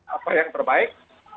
apa yang terbaik